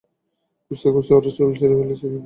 খুঁজতে খুঁজতে ওরা চুল ছিড়ে ফেলছে হয়তো।